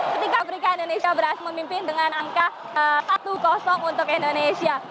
ketika afrika indonesia berhasil memimpin dengan angka satu untuk indonesia